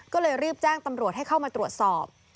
ก็เลยรีบแจ้งตำรวจให้เข้ามาตรวจสอบ